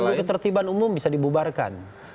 kalau ketertiban umum bisa dibubarkan